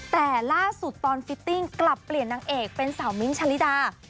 แต่ล่าสุดตอนฟิตติ้งกลับเปลี่ยนนางเอกเป็นสาวมิ้นทะลิดา